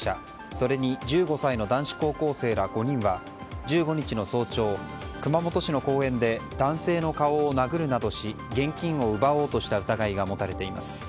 それに１５歳の男子高校生ら５人は１５日の早朝、熊本市の公園で男性の顔を殴るなどし現金を奪おうとした疑いが持たれています。